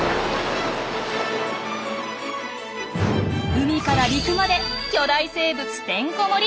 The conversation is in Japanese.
海から陸まで巨大生物てんこもり！